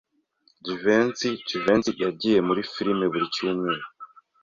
Jivency Jivency yagiye muri firime buri cyumweru.